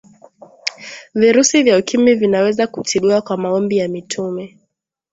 virusi vya ukimwi vinaweza kutibiwa kwa maombi ya mitume